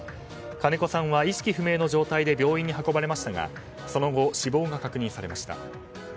金子さんは意識不明の状態で病院に運ばれましたがその後、死亡が確認されました。